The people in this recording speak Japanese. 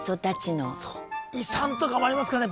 遺産とかもありますからね